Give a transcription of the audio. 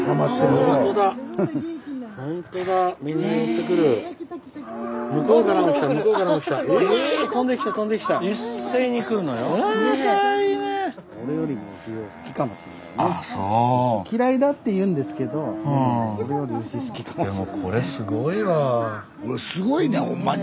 スタジオこれすごいねほんまに。